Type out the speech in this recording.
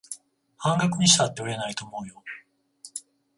半額にしたって売れないと思うよ